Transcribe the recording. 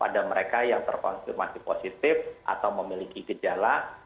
pada mereka yang terkonfirmasi positif atau memiliki gejala